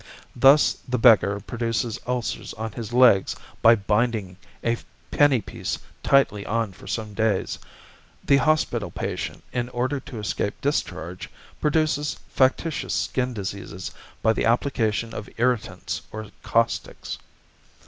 Thus, the beggar produces ulcers on his legs by binding a penny piece tightly on for some days; the hospital patient, in order to escape discharge, produces factitious skin diseases by the application of irritants or caustics.